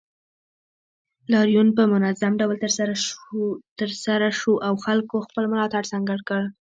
لاریون په منظم ډول ترسره شو او خلکو خپل ملاتړ څرګند کړ